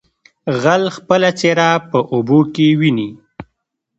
ـ غل خپله څېره په اوبو کې ويني.